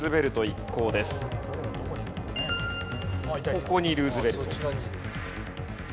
ここにルーズベルト。